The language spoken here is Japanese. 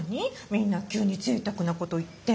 みんな急にぜいたくなこと言って。